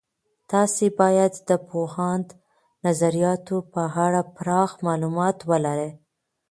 تاسې باید د پوهاند نظریاتو په اړه پراخ معلومات ولرئ.